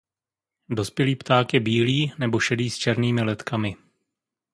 Dospělý pták je bílý nebo šedý s černými letkami.